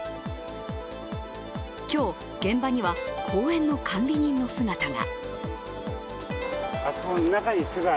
今日、現場には公園の管理人の姿が。